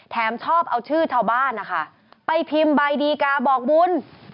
แถมชอบเอาชื่อชาวบ้านค่ะไปผิมใบดีกาบอกบุญ